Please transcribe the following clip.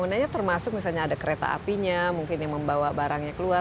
sebenarnya termasuk misalnya ada kereta apinya mungkin yang membawa barangnya keluar